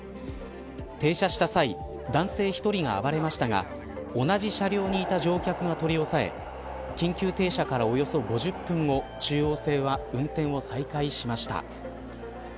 停車した際男性１人が暴れましたが同じ車両にいた乗客が取り押さえ緊急停車からおよそ５０分後中央線は運転を再開しました。